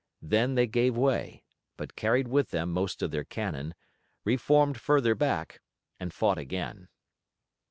Then they gave way, but carried with them most of their cannon, reformed further back, and fought again.